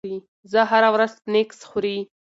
زه هره ورځ سنکس خوري.